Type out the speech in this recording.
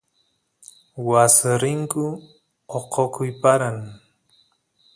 waas rinku oqoquy paran